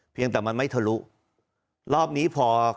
เพียงแต่มันไม่ทะลุรอบนี้พอ